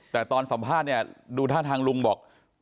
แต่ตอนสัมภาษณ์เนี่ยดูท่าทางลุงบอก